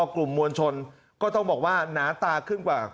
กลุ่มมวลชนก็ต้องบอกว่าหนาตาขึ้นกว่า